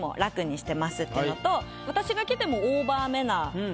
私が着ても。